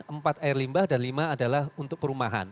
empat air limbah dan lima adalah untuk perumahan